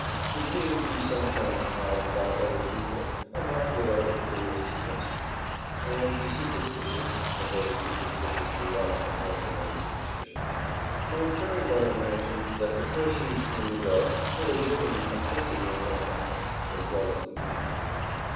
The dreams we sometimes have about other people are not without a curious suggestion; and the superstitious (of those superstitious who like to invent their own superstitions) might very well imagine that the persons dreamed of had a witting complicity in their facts, as well as the dreamer.